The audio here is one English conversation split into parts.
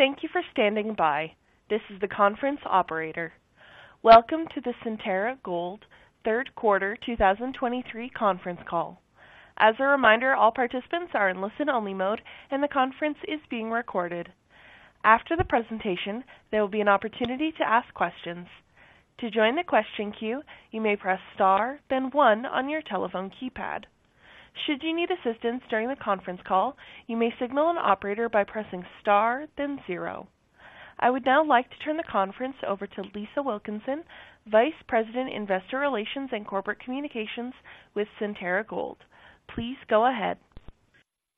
Thank you for standing by. This is the conference operator. Welcome to the Centerra Gold third quarter 2023 conference call. As a reminder, all participants are in listen-only mode and the conference is being recorded. After the presentation, there will be an opportunity to ask questions. To join the question queue, you may press Star, then one on your telephone keypad. Should you need assistance during the conference call, you may signal an operator by pressing Star then zero. I would now like to turn the conference over to Lisa Wilkinson, Vice President, Investor Relations and Corporate Communications with Centerra Gold. Please go ahead.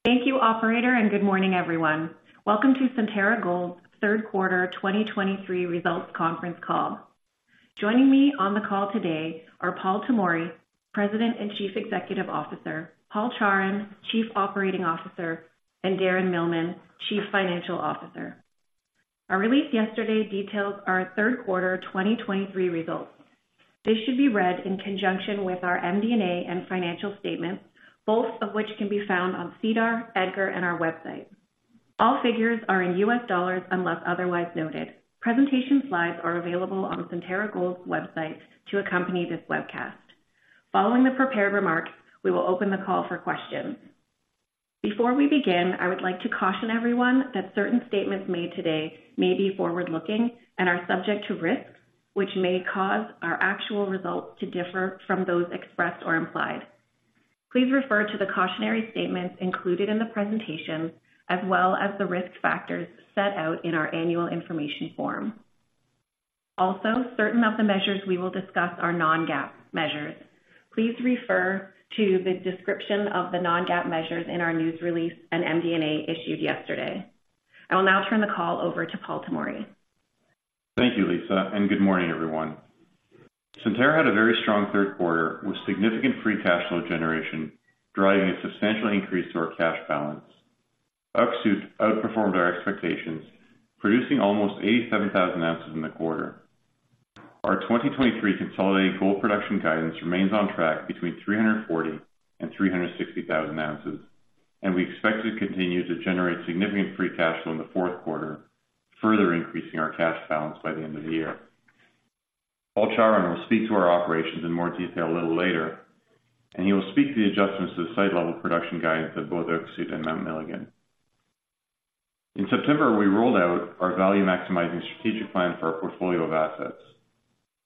Thank you, operator, and good morning, everyone. Welcome to Centerra Gold's third quarter 2023 results conference call. Joining me on the call today are Paul Tomory, President and Chief Executive Officer, Paul Chawrun, Chief Operating Officer, and Darren Millman, Chief Financial Officer. Our release yesterday detailed our third quarter 2023 results. They should be read in conjunction with our MD&A and financial statements, both of which can be found on SEDAR, EDGAR, and our website. All figures are in US dollars unless otherwise noted. Presentation slides are available on Centerra Gold's website to accompany this webcast. Following the prepared remarks, we will open the call for questions. Before we begin, I would like to caution everyone that certain statements made today may be forward-looking and are subject to risks which may cause our actual results to differ from those expressed or implied. Please refer to the cautionary statements included in the presentation, as well as the risk factors set out in our annual information form. Also, certain of the measures we will discuss are non-GAAP measures. Please refer to the description of the non-GAAP measures in our news release and MD&A issued yesterday. I will now turn the call over to Paul Tomory. Thank you, Lisa, and good morning, everyone. Centerra had a very strong third quarter with significant free cash flow generation, driving a substantial increase to our cash balance. Öksüt outperformed our expectations, producing almost 87,000 ounces in the quarter. Our 2023 consolidated gold production guidance remains on track between 340,000 and 360,000 ounces, and we expect to continue to generate significant free cash flow in the fourth quarter, further increasing our cash balance by the end of the year. Paul Chawrun will speak to our operations in more detail a little later, and he will speak to the adjustments to the site level production guidance at both Öksüt and Mount Milligan. In September, we rolled out our value-maximizing strategic plan for our portfolio of assets.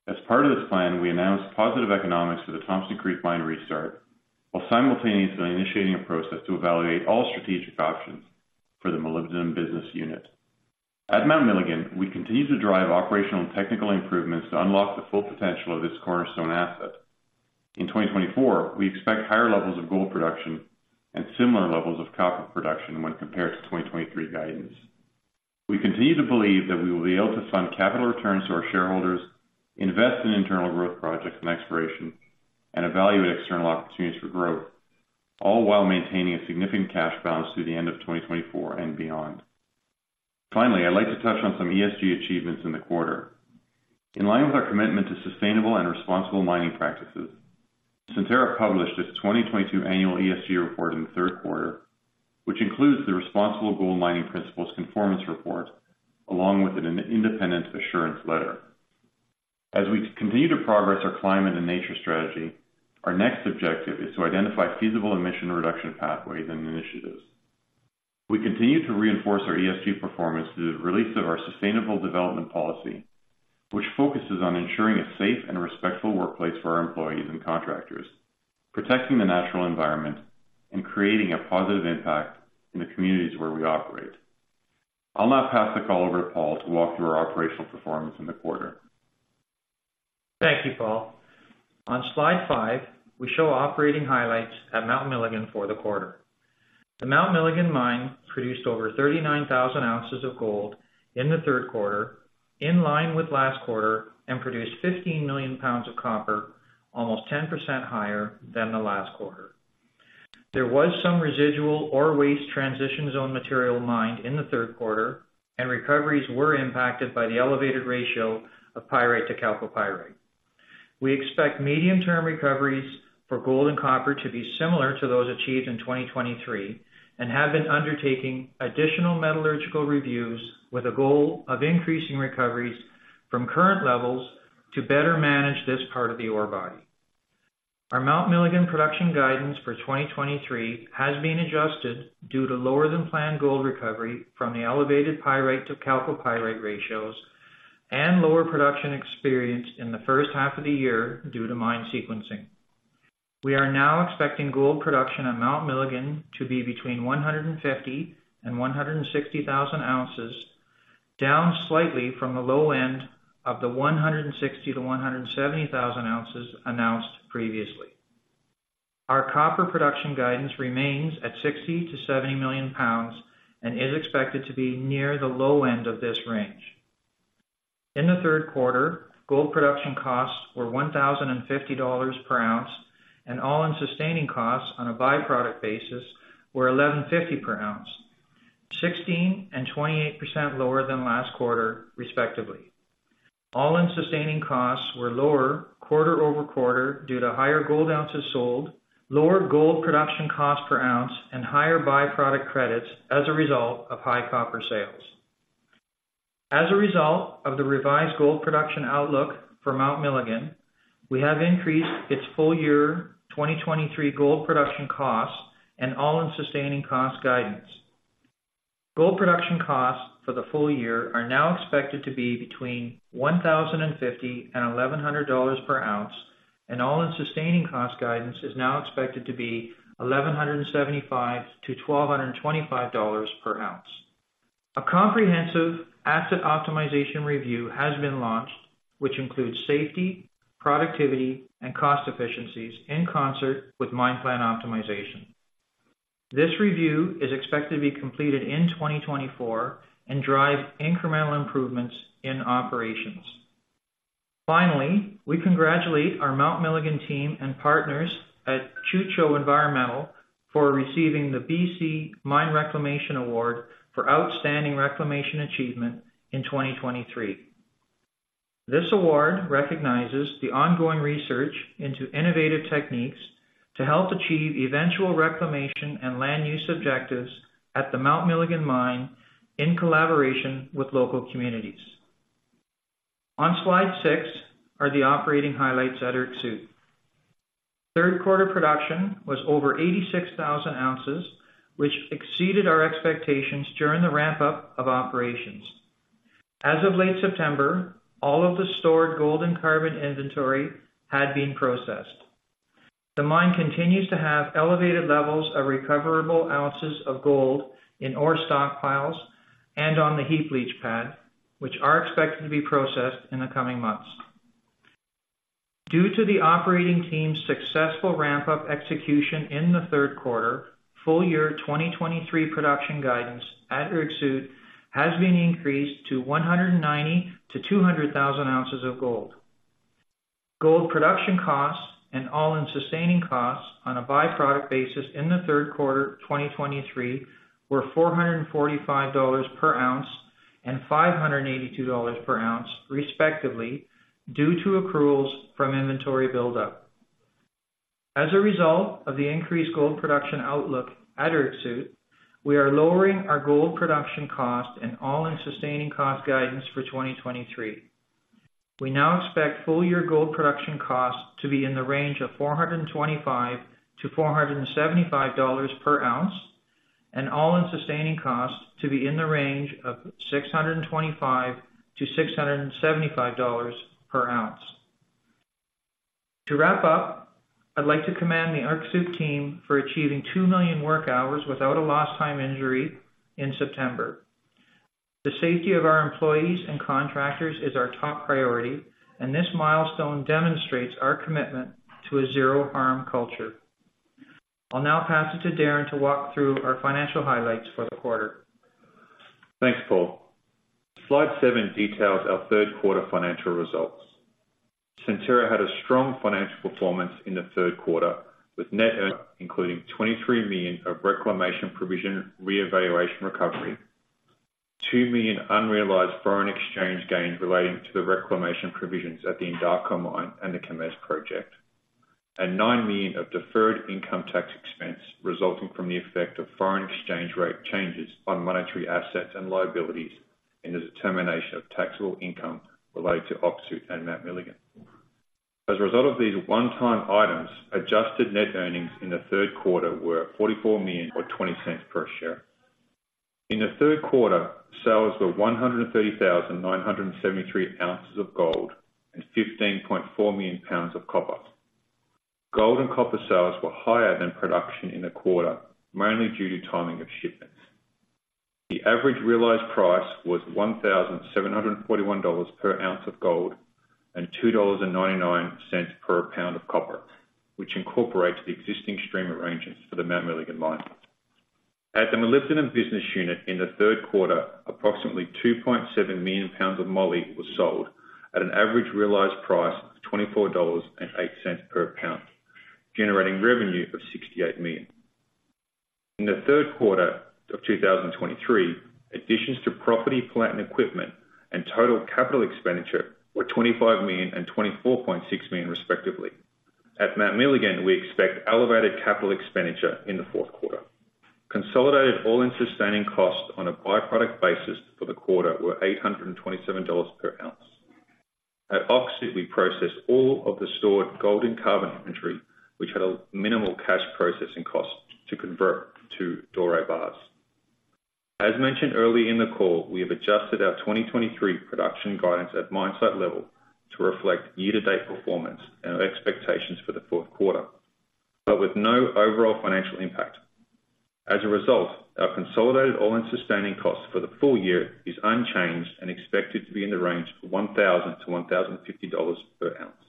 As part of this plan, we announced positive economics for the Thompson Creek Mine restart, while simultaneously initiating a process to evaluate all strategic options for the molybdenum business unit. At Mount Milligan, we continue to drive operational and technical improvements to unlock the full potential of this cornerstone asset. In 2024, we expect higher levels of gold production and similar levels of copper production when compared to 2023 guidance. We continue to believe that we will be able to fund capital returns to our shareholders, invest in internal growth projects and exploration, and evaluate external opportunities for growth, all while maintaining a significant cash balance through the end of 2024 and beyond. Finally, I'd like to touch on some ESG achievements in the quarter. In line with our commitment to sustainable and responsible mining practices, Centerra published its 2022 annual ESG report in the third quarter, which includes the Responsible Gold Mining Principles Conformance Report, along with an independent assurance letter. As we continue to progress our climate and nature strategy, our next objective is to identify feasible emission reduction pathways and initiatives. We continue to reinforce our ESG performance through the release of our sustainable development policy, which focuses on ensuring a safe and respectful workplace for our employees and contractors, protecting the natural environment, and creating a positive impact in the communities where we operate. I'll now pass the call over to Paul to walk through our operational performance in the quarter. Thank you, Paul. On slide five, we show operating highlights at Mount Milligan for the quarter. The Mount Milligan Mine produced over 39,000 ounces of gold in the third quarter, in line with last quarter, and produced 15 million lbs of copper, almost 10% higher than the last quarter. There was some residual ore waste transition zone material mined in the third quarter, and recoveries were impacted by the elevated ratio of pyrite to chalcopyrite. We expect medium-term recoveries for gold and copper to be similar to those achieved in 2023 and have been undertaking additional metallurgical reviews with a goal of increasing recoveries from current levels to better manage this part of the ore body. Our Mount Milligan production guidance for 2023 has been adjusted due to lower than planned gold recovery from the elevated pyrite to chalcopyrite ratios and lower production experienced in the first half of the year due to mine sequencing. We are now expecting gold production at Mount Milligan to be between 150,000 and 160,000 ounces, down slightly from the low end of the 160,000-170,000 ounces announced previously. Our copper production guidance remains at 60 million-70 million lbs and is expected to be near the low end of this range. In the third quarter, gold production costs were $1,050 per ounce, and all-in sustaining costs on a byproduct basis were $1,150 per ounce, 16% and 28% lower than last quarter, respectively. All-in sustaining costs were lower quarter-over-quarter due to higher gold ounces sold, lower gold production cost per ounce, and higher byproduct credits as a result of high copper sales. As a result of the revised gold production outlook for Mount Milligan, we have increased its full year 2023 gold production costs and all-in sustaining cost guidance. Gold production costs for the full year are now expected to be between $1,050 and $1,100 per ounce, and all-in sustaining cost guidance is now expected to be $1,175-$1,225 per ounce. A comprehensive asset optimization review has been launched, which includes safety, productivity, and cost efficiencies in concert with mine plan optimization. This review is expected to be completed in 2024 and drive incremental improvements in operations. Finally, we congratulate our Mount Milligan team and partners at Chu Cho Environmental for receiving the BC Mine Reclamation Award for Outstanding Reclamation Achievement in 2023. This award recognizes the ongoing research into innovative techniques to help achieve eventual reclamation and land use objectives at the Mount Milligan Mine in collaboration with local communities. On slide six are the operating highlights at Öksüt. Third quarter production was over 86,000 ounces, which exceeded our expectations during the ramp-up of operations. As of late September, all of the stored gold and carbon inventory had been processed. The mine continues to have elevated levels of recoverable ounces of gold in ore stockpiles and on the heap leach pad, which are expected to be processed in the coming months. Due to the operating team's successful ramp-up execution in the third quarter 2023, full year 2023 production guidance at Öksüt has been increased to 190,000-200,000 ounces of gold. Gold production costs and All-in Sustaining Costs on a byproduct basis in the third quarter 2023 were $445 per ounce and $582 per ounce, respectively, due to accruals from inventory buildup. As a result of the increased gold production outlook at Öksüt, we are lowering our gold production cost and All-in Sustaining Cost guidance for 2023. We now expect full year gold production costs to be in the range of $425-$475 per ounce, and All-in Sustaining Costs to be in the range of $625-$675 per ounce. To wrap up, I'd like to commend the Öksüt team for achieving 2 million work hours without a Lost Time Injury in September. The safety of our employees and contractors is our top priority, and this milestone demonstrates our commitment to a zero harm culture. I'll now pass it to Darren to walk through our financial highlights for the quarter. Thanks, Paul. Slide 7 details our third quarter financial results. Centerra had a strong financial performance in the third quarter, with net earnings, including $23 million of reclamation provision revaluation recovery, $2 million unrealized foreign exchange gains relating to the reclamation provisions at the Endako Mine and the Kemess Project, and $9 million of deferred income tax expense resulting from the effect of foreign exchange rate changes on monetary assets and liabilities in the determination of taxable income related to Öksüt and Mount Milligan. As a result of these one-time items, adjusted net earnings in the third quarter were $44 million, or $0.20 per share. In the third quarter, sales were 130,973 ounces of gold and 15.4 million lbs of copper. Gold and copper sales were higher than production in the quarter, mainly due to timing of shipments. The average realized price was $1,741 per ounce of gold and $2.99 per pound of copper, which incorporates the existing stream arrangements for the Mount Milligan Mine. At the molybdenum business unit in the third quarter, approximately 2.7 million lbs of moly were sold at an average realized price of $24.08 per pound, generating revenue of $68 million. In the third quarter of 2023, additions to property, plant, and equipment and total capital expenditure were $25 million and $24.6 million, respectively. At Mount Milligan, we expect elevated capital expenditure in the fourth quarter. Consolidated All-in Sustaining Costs on a Byproduct Basis for the quarter were $827 per ounce. At Öksüt, we processed all of the stored gold and carbon inventory, which had a minimal cash processing cost to convert to Doré bars. As mentioned earlier in the call, we have adjusted our 2023 production guidance at mine site level to reflect year-to-date performance and expectations for the fourth quarter, but with no overall financial impact. As a result, our consolidated All-in Sustaining Costs for the full year is unchanged and expected to be in the range of $1,000-$1,050 per ounce.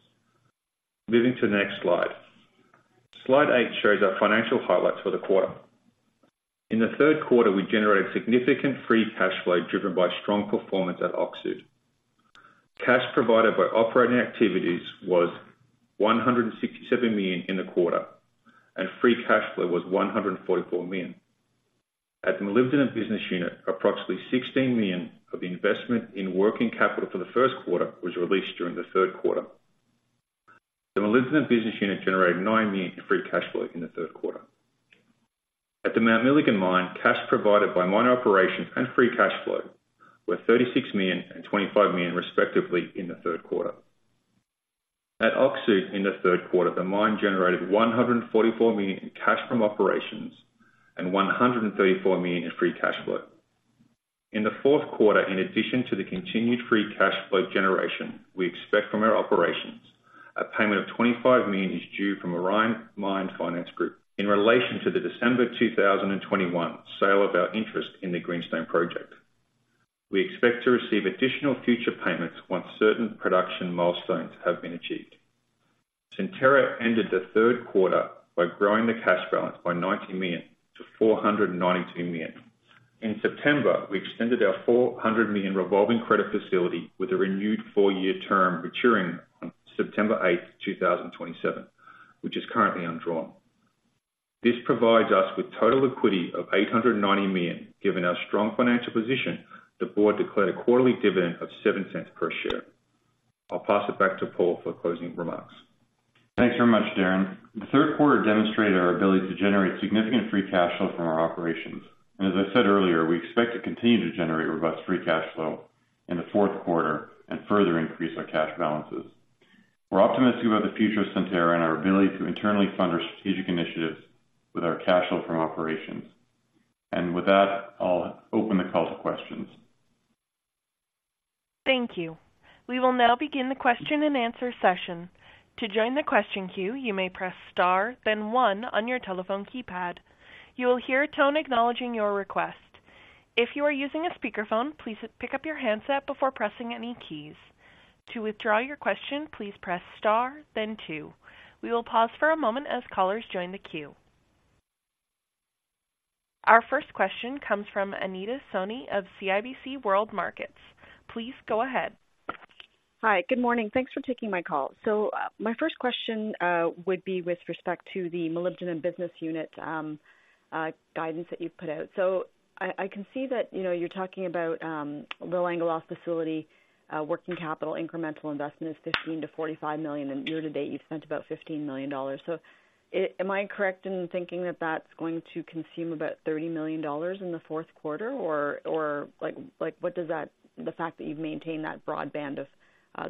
Moving to the next slide. Slide eight shows our financial highlights for the quarter. In the third quarter, we generated significant free cash flow, driven by strong performance at Öksüt. Cash provided by operating activities was $167 million in the quarter, and free cash flow was $144 million. At the molybdenum business unit, approximately $16 million of investment in working capital for the first quarter was released during the third quarter. The molybdenum business unit generated $9 million in free cash flow in the third quarter. At the Mount Milligan Mine, cash provided by mine operations and free cash flow were $36 million and $25 million, respectively, in the third quarter. At Öksüt, in the third quarter, the mine generated $144 million in cash from operations and $134 million in free cash flow. In the fourth quarter, in addition to the continued free cash flow generation we expect from our operations, a payment of $25 million is due from Orion Mine Finance Group in relation to the December 2021 sale of our interest in the Greenstone Project. We expect to receive additional future payments once certain production milestones have been achieved. Centerra ended the third quarter by growing the cash balance by $90 million-$492 million. In September, we extended our $400 million revolving credit facility with a renewed four-year term, maturing on September 8, 2027, which is currently undrawn. This provides us with total liquidity of $890 million. Given our strong financial position, the board declared a quarterly dividend of $0.07 per share. I'll pass it back to Paul for closing remarks. Thanks very much, Darren. The third quarter demonstrated our ability to generate significant free cash flow from our operations, and as I said earlier, we expect to continue to generate robust free cash flow in the fourth quarter and further increase our cash balances. We're optimistic about the future of Centerra and our ability to internally fund our strategic initiatives with our cash flow from operations. With that, I'll open the call to questions. Thank you. We will now begin the question-and-answer session. To join the question queue, you may press star, then one on your telephone keypad. You will hear a tone acknowledging your request. If you are using a speakerphone, please pick up your handset before pressing any keys. To withdraw your question, please press star then two. We will pause for a moment as callers join the queue. Our first question comes from Anita Soni of CIBC World Markets. Please go ahead. Hi, good morning. Thanks for taking my call. So, my first question would be with respect to the molybdenum business unit, guidance that you've put out. So I can see that, you know, you're talking about, Langeloth facility, working capital, incremental investment is $15 million-$45 million, and year to date, you've spent about $15 million. So am I correct in thinking that that's going to consume about $30 million in the fourth quarter? Or like, what does that, the fact that you've maintained that broad band of,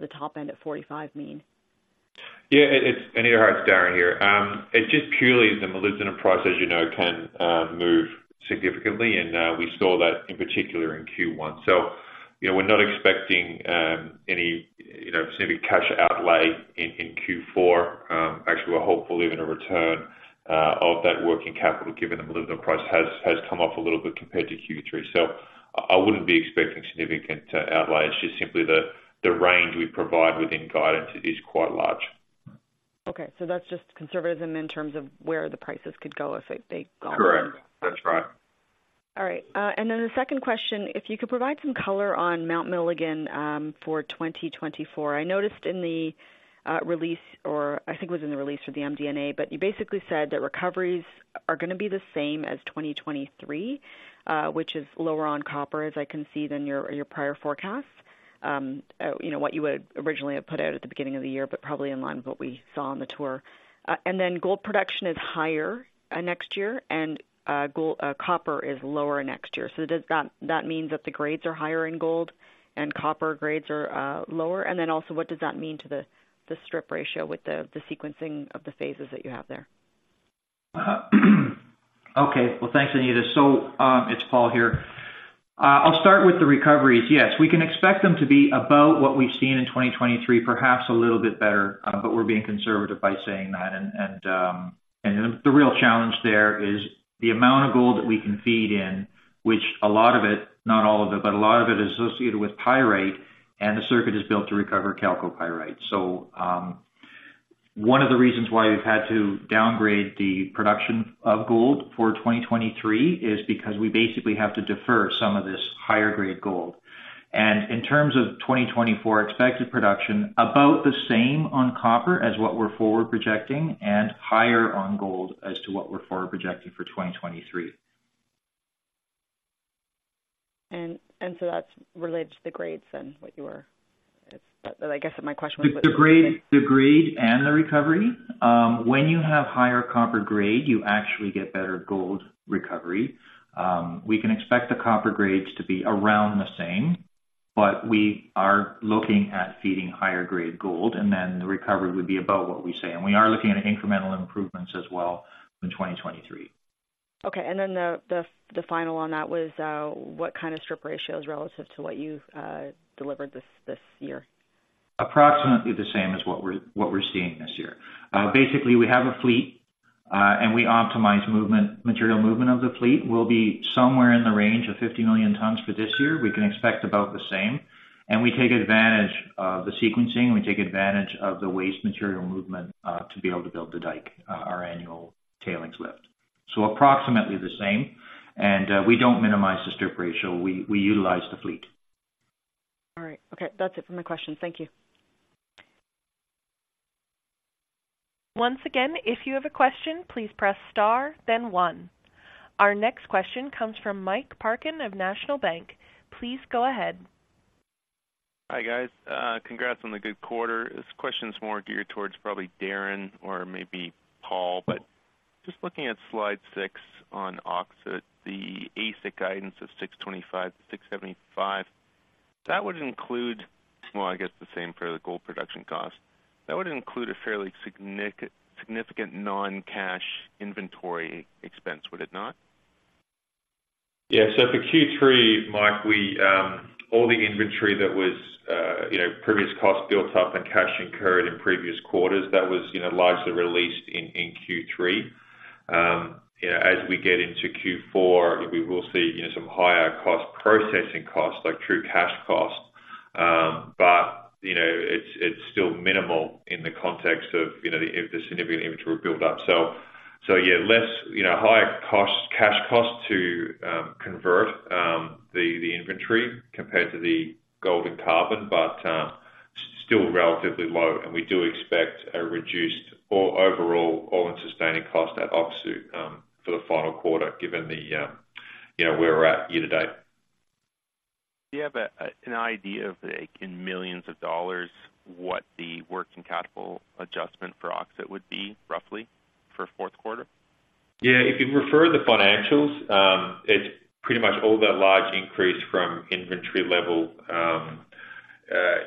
the top end at 45 mean? Yeah, Anita, hi, it's Darren here. It's just purely the molybdenum price, as you know, can move significantly, and we saw that in particular in Q1. So, you know, we're not expecting any, you know, significant cash outlay in Q4. Actually, we're hopeful even a return of that working capital, given the molybdenum price has come up a little bit compared to Q3. So I wouldn't be expecting significant outlay. It's just simply the range we provide within guidance is quite large. Okay, so that's just conservatism in terms of where the prices could go if they, they go- Correct. That's right. All right, and then the second question, if you could provide some color on Mount Milligan for 2024. I noticed in the release, or I think it was in the release or the MD&A, but you basically said that recoveries are gonna be the same as 2023, which is lower on copper, as I can see, than your, your prior forecast. You know, what you would originally have put out at the beginning of the year, but probably in line with what we saw on the tour. And then gold production is higher next year and gold, copper is lower next year. So does that, that mean that the grades are higher in gold and copper grades are lower? And then also, what does that mean to the strip ratio with the sequencing of the phases that you have there? Okay. Well, thanks, Anita. So, it's Paul here. I'll start with the recoveries. Yes, we can expect them to be about what we've seen in 2023, perhaps a little bit better, but we're being conservative by saying that. The real challenge there is the amount of gold that we can feed in, which a lot of it, not all of it, but a lot of it, is associated with pyrite, and the circuit is built to recover chalcopyrite. So, one of the reasons why we've had to downgrade the production of gold for 2023 is because we basically have to defer some of this higher grade gold. And in terms of 2024 expected production, about the same on copper as what we're forward projecting and higher on gold as to what we're forward projecting for 2023. So that's related to the grades then, what you were... It's, but I guess my question was- The grade, the grade and the recovery. When you have higher copper grade, you actually get better gold recovery. We can expect the copper grades to be around the same, but we are looking at feeding higher grade gold, and then the recovery would be about what we say. We are looking at incremental improvements as well in 2023. Okay, and then the final one on that was, what kind of strip ratio is relative to what you've delivered this year? Approximately the same as what we're, what we're seeing this year. Basically, we have a fleet, and we optimize movement, material movement of the fleet. We'll be somewhere in the range of 50 million tons for this year. We can expect about the same. And we take advantage of the sequencing, we take advantage of the waste material movement, to be able to build the dike, our annual tailings lift. So approximately the same, and, we don't minimize the strip ratio. We, we utilize the fleet. All right. Okay, that's it for my questions. Thank you. ...Once again, if you have a question, please press star, then one. Our next question comes from Mike Parkin of National Bank. Please go ahead. Hi, guys. Congrats on the good quarter. This question is more geared towards probably Darren or maybe Paul, but just looking at slide six on Öksüt, the AISC guidance of $625-$675, that would include, well, I guess, the same for the gold production cost. That would include a fairly significant non-cash inventory expense, would it not? Yeah. So for Q3, Mike, we all the inventory that was you know previous costs built up and cash incurred in previous quarters, that was you know largely released in in Q3. You know, as we get into Q4, we will see you know some higher cost processing costs, like true cash costs. But you know it's it's still minimal in the context of you know the the significant inventory build-up. So so yeah, less you know higher costs, cash costs to convert the the inventory compared to the gold and carbon, but still relatively low, and we do expect a reduced overall all-in sustaining cost at Öksüt for the final quarter, given the you know where we're at year to date. Do you have an idea of, like, in millions of dollars, what the working capital adjustment for Öksüt would be, roughly, for fourth quarter? Yeah. If you refer to the financials, it's pretty much all that large increase from inventory level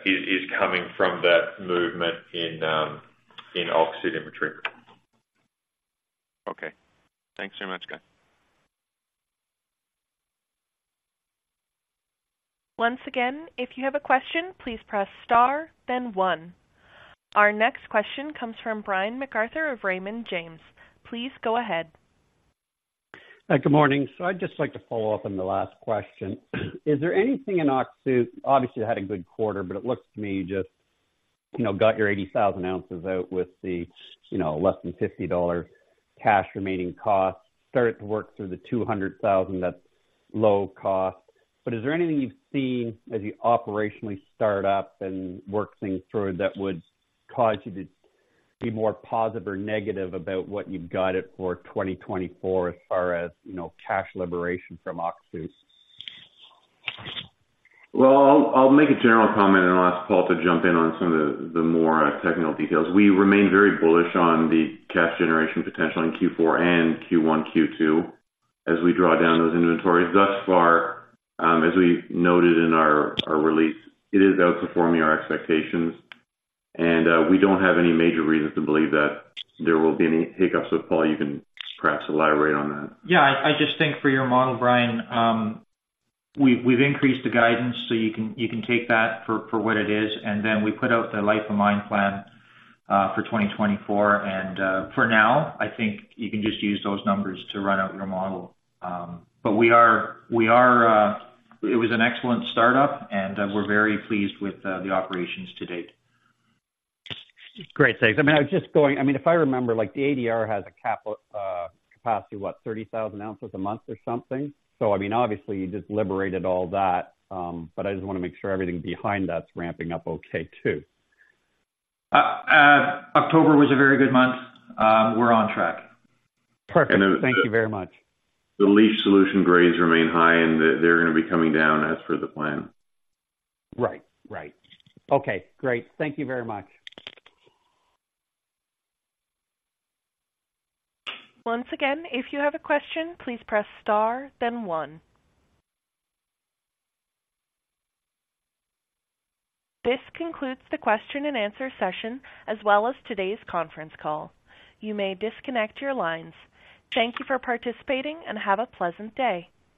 is coming from that movement in Öksüt inventory. Okay. Thanks very much, guys. Once again, if you have a question, please press star then one. Our next question comes from Brian MacArthur of Raymond James. Please go ahead. Hi, good morning. So I'd just like to follow up on the last question. Is there anything in Öksüt, obviously, you had a good quarter, but it looks to me you just, you know, got your 80,000 ounces out with the, you know, less than $50 cash remaining costs, started to work through the 200,000, that's low cost. But is there anything you've seen as you operationally start up and work things through that would cause you to be more positive or negative about what you've got it for 2024 as far as, you know, cash liberation from Öksüt? Well, I'll make a general comment and I'll ask Paul to jump in on some of the more technical details. We remain very bullish on the cash generation potential in Q4 and Q1, Q2, as we draw down those inventories. Thus far, as we noted in our release, it is outperforming our expectations, and we don't have any major reasons to believe that there will be any hiccups. So Paul, you can perhaps elaborate on that. Yeah, I just think for your model, Brian, we've increased the guidance, so you can take that for what it is. And then we put out the life of mine plan for 2024. And for now, I think you can just use those numbers to run out your model. But we are... It was an excellent start-up, and we're very pleased with the operations to date. Great, thanks. I mean, I was just going, I mean, if I remember, like, the ADR has a capacity of what? 30,000 ounces a month or something. So I mean, obviously, you just liberated all that, but I just wanna make sure everything behind that's ramping up okay, too. October was a very good month. We're on track. Perfect. Thank you very much. The leach solution grades remain high, and they're gonna be coming down as per the plan. Right. Right. Okay, great. Thank you very much. Once again, if you have a question, please press star then one. This concludes the question and answer session, as well as today's conference call. You may disconnect your lines. Thank you for participating, and have a pleasant day.